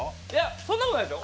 そんなことないですよ。